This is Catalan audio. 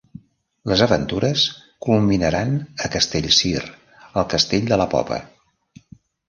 Les aventures culminaran a Castellcir, al Castell de la Popa.